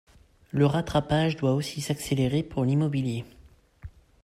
Le rattrapage doit aussi s’accélérer pour l’immobilier.